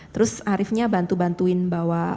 terus ariefnya bantu bantuin bawa